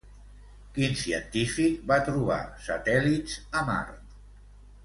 Quin científic va trobar satèl·lits a Mart?